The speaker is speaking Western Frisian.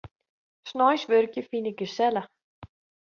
Sneins wurkje fyn ik gesellich.